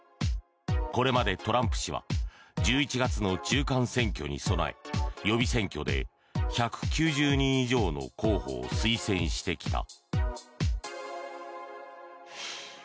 これまでトランプ氏は１１月の中間選挙に備え予備選挙で１９０人以上の候補を推薦してきた。